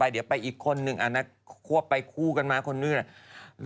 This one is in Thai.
เดี๋ยวไปอีกคนนึงควบไปคู่กันมาคนนู้น